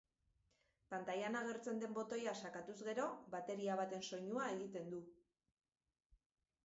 Pantailan agertzen den botoia sakatuz gero, bateria baten soinua egiten du.